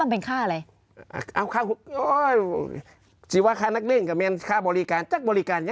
แพงไหม